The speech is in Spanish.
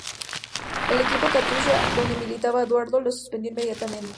El equipo Katusha donde militaba Eduard, le suspendió inmediatamente.